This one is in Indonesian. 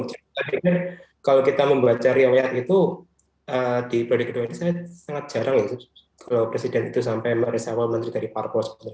jadi kalau kita membaca riwayat itu di proyek riwayat ini sangat jarang kalau presiden itu sampai meresafel menteri dari parpo